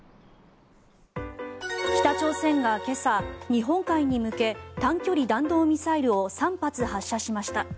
北朝鮮が今朝日本海に向け短距離弾道ミサイルを３発発射しました。